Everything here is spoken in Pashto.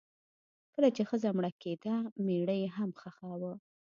کله چې ښځه مړه کیده میړه یې هم خښاوه.